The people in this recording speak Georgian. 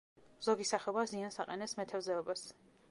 ზოგი სახეობა ზიანს აყენებს მეთევზეობას.